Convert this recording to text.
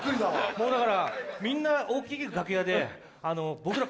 もうだからみんな大きい楽屋で僕ら。